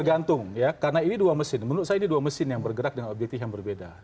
tergantung ya karena ini dua mesin menurut saya ini dua mesin yang bergerak dengan objektif yang berbeda